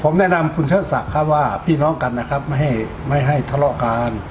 ผมแนะนำคุณเชิดศักดิ์ครับว่าพี่น้องกันนะครับไม่ให้ไม่ให้ทะเลาะกัน